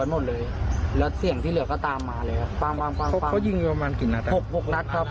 ๖นัทครับ